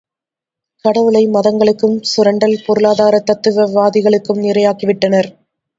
கடவுளை, மதங்களுக்கும் சுரண்டல் பொருளாதாரத் தத்துவவாதிகளுக்கும் இரையாக்கி விட்டனர்.